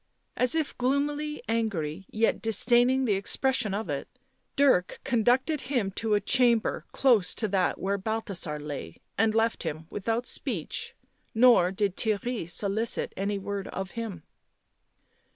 As if gloomily angry, yet disdaining the expression of it, Dirk conducted him to a chamber close to that where Balthasar lay, and left him, without speech, nor did Theirry solicit any word of him.